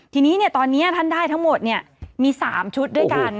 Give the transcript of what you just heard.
ทีนี้ตอนนี้ท่านได้ทั้งหมดมี๓ชุดด้วยกัน